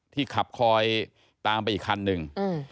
ที่ขับคอยตามไปอีกคันนึง